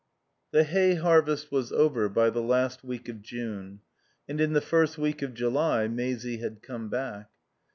iv The hay harvest was over by the last week of June, and in the first week of July Maisie had come back.